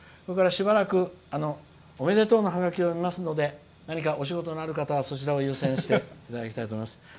しばらくおめでとうのハガキを読みますので何かお仕事のある方はそちらを優先していただきたいと思います。